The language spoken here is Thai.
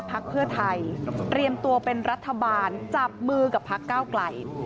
พักเพื่อไทยเตรียมตัวเป็นรัฐบาลจับมือกับพักก้าวไกล